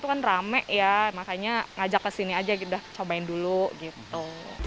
kan rame ya makanya ngajak ke sini aja udah cobain dulu gitu